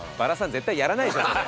絶対やらないでしょそれ。